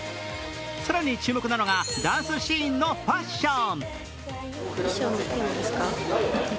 更に注目なのがダンスシーンのファッション。